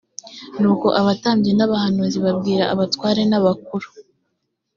nuko abatambyi n abahanuzi babwira abatware na abakuru